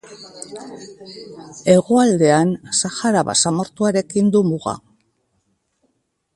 Hegoaldean Sahara basamortuarekin du muga.